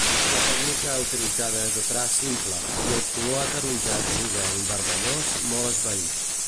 La tècnica utilitzada és de traç simple i el color ataronjat groguenc-vermellós molt esvaït.